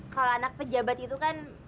kalau anak pejabat itu kan